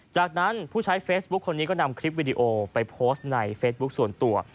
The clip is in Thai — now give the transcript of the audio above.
จากนั้นผู้ใช้เฟซบุ๊คคนนี้ก็นำคลิปวิดีโอไปโพสต์ในเฟซบุ๊คส่วนตัว